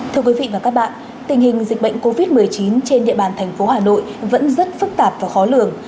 thưa quý vị và các bạn tình hình dịch bệnh covid một mươi chín trên địa bàn thành phố hà nội vẫn rất phức tạp và khó lường